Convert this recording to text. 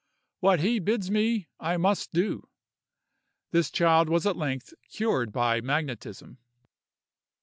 What he bids me, I must do!" This child was at length cured by magnetism.